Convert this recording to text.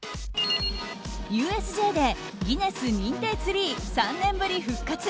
ＵＳＪでギネス認定ツリー３年ぶり復活。